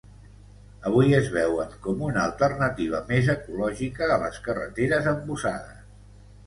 Avui es veuen com una alternativa més ecològica a les carreteres embussades.